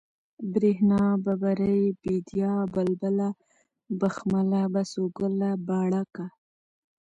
برېښنا ، ببرۍ ، بېديا ، بلبله ، بخمله ، بسوگله ، بڼکه